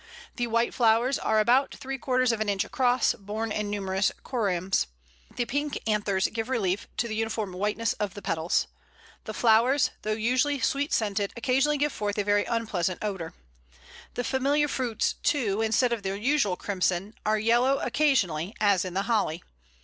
The white flowers are about three quarters of an inch across, borne in numerous corymbs. The pink anthers give relief to the uniform whiteness of the petals. The flowers, though usually sweet scented, occasionally give forth a very unpleasant odour. The familiar fruits, too, instead of their usual crimson, are yellow occasionally, as in the Holly.